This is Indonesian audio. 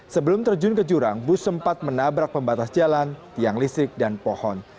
sebelum terjun ke jurang bus sempat menabrak pembatas jalan tiang listrik dan pohon